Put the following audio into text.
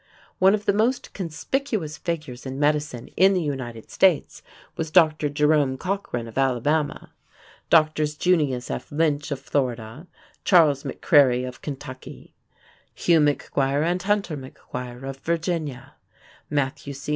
One of the most conspicuous figures in medicine in the United States was Dr. Jerome Cochran of Alabama. Drs. Junius F. Lynch of Florida; Charles McCreery of Kentucky; Hugh McGuire and Hunter McGuire of Virginia; Matthew C.